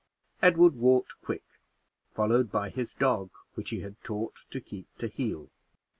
Edward walked quick, followed by his dog, which he had taught to keep to heel.